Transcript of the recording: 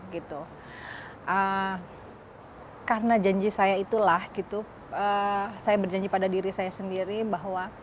karena janji saya itulah saya berjanji pada diri saya sendiri bahwa